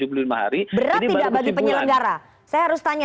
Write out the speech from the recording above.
berat tidak bagi penyelenggara saya harus tanya